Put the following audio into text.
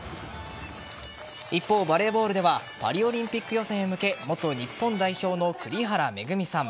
一方、バレーボールではパリオリンピック予選へ向け元日本代表の栗原めぐみさん